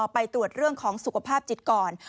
ไปตรวจเรื่องของสุขภาพจิตก่อน